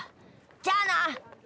じゃあな！